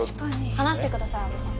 話してください安部さん。